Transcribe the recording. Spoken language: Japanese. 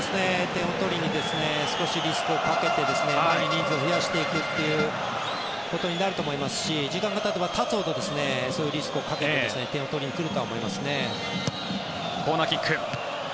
点を取りに少しリスクをかけて前に人数を増やしていくことになると思いますし時間がたてばたつほどそういうリスクをかけてコーナーキック。